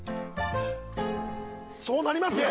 ・そうなりますよ。